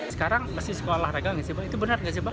sekarang masih sekolah regang ya itu benar nggak sih pak